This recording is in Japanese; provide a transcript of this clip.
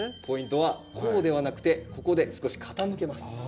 ポイントはこうではなくてここで少し傾けます。